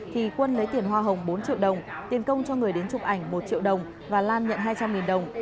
thì quân lấy tiền hoa hồng bốn triệu đồng tiền công cho người đến chụp ảnh một triệu đồng và lan nhận hai trăm linh đồng